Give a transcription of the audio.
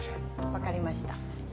わかりました。